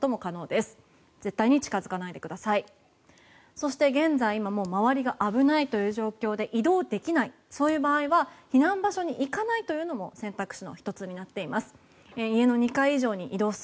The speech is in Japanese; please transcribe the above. そして現在周りが危ないという状況で移動できない、そういう場合は避難場所に行かないというのも選択肢の１つになっています。